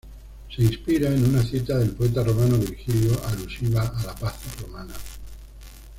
Se inspira en una cita del poeta romano Virgilio alusiva a la paz romana.